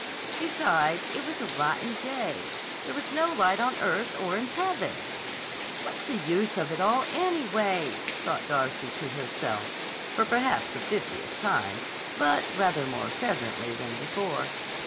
Besides, it was a rotten day. There was no light on earth or in heaven! "What's the use of it all, anyway!" thought Darcy to herself, for perhaps the fiftieth time, but rather more fervently than before.